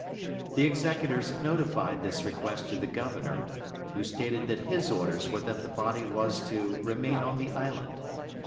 The executors notified this request to the Governor, who stated that his orders were that the body was to, remain on the island.